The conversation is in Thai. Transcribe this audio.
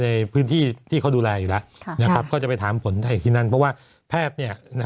ในพื้นที่ที่เขาดูแลอยู่แล้วก็จะไปถามผลเอกที่นั่นเพราะว่าแพทย์